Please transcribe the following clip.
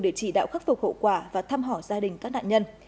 để chỉ đạo khắc phục hậu quả và thăm hỏi gia đình các nạn nhân